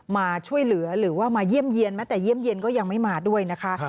มาช่วยเหลือหรือว่ามาเยี่ยมเยี่ยนแม้แต่เยี่ยมเย็นก็ยังไม่มาด้วยนะคะ